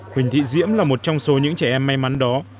huỳnh thị diễm là một trong số những trẻ em may mắn đó